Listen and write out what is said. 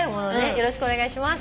よろしくお願いします。